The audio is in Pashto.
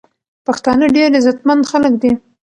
پښتانه ډیر عزت مند خلک دی.